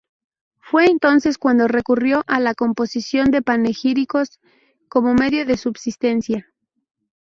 Fue entonces cuando recurrió a la composición de panegíricos como medio de subsistencia.